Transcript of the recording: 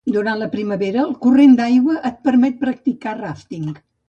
Durant la primavera, el corrent d'aigua et permet practicar ràfting.